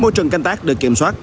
môi trường canh tác được kiểm soát